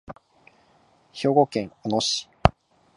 兵庫県小野市